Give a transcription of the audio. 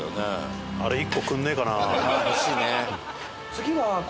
欲しいね。